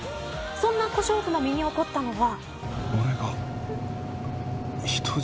そんな小勝負の身に起こったのは。